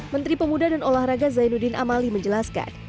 menteri pemuda dan olahraga zainuddin amali menjelaskan